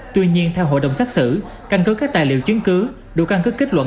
tuy nhiên theo hội đồng xác xử căn cứ các tài liệu chứng cứ đủ căn cứ kết luận